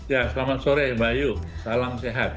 ya selamat sore mbak ayu salam sehat